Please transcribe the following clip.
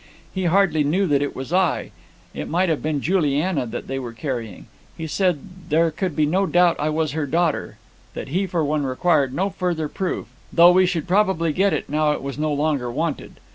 He hardly knew that it was I; it might have been Juliana that they were carrying. He said there could be no doubt that I was her daughter; that he for one, required no further proof; though we should probably get it now it was no longer wanted.